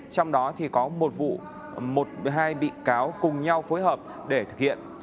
trong đó thì có một vụ hai bị cáo cùng nhau phối hợp để thực hiện